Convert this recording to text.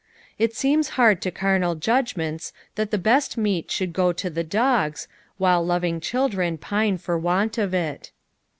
It seems hard to carnal judgments that the best meat should go to the doga, while loving children pine for want of it.